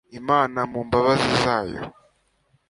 imana mu mbabazi zayo